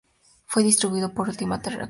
Fue distribuido por Ultimate Record.